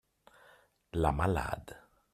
La malade